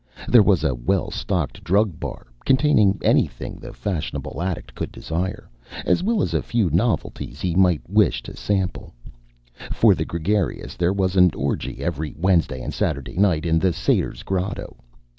There was a well stocked drug bar containing anything the fashionable addict could desire, as well as a few novelties he might wish to sample. For the gregarious, there was an orgy every Wednesday and Saturday night in the Satyr's Grotto.